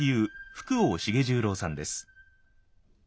福王茂十郎さんです。